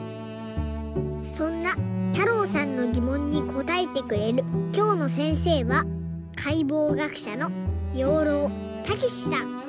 そんなたろうさんのぎもんにこたえてくれるきょうのせんせいはかいぼう学者の養老孟司さん。